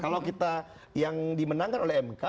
kalau kita yang dimenangkan oleh mk